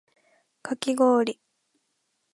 かき氷